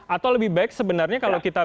atau lebih baik sebenarnya kalau kita